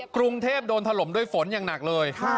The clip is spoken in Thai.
กรุงเทพโดนถล่มด้วยฝนอย่างหนักเลย